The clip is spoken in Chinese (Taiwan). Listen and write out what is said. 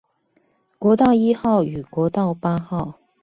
國道一號與國道八號